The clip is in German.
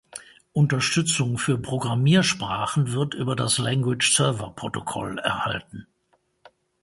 Unterstützung für Programmiersprachen wird über das Language Server Protocol erhalten.